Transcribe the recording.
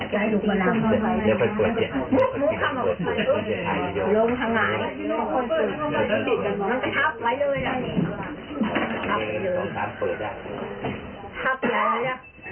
มือซักทีโดยไปบ้านหลังคุมศูนย์